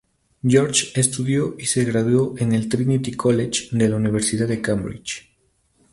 George estudió y se graduó en el "Trinity College" de la Universidad de Cambridge.